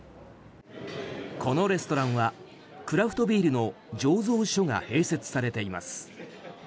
このレストランはクラフトビールの醸造所が併設されています。